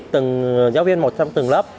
từng giáo viên một trong từng lớp